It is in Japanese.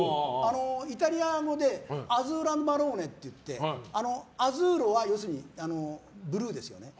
イタリアでアズーロバローネっていうアズーロは、ブルーですよね。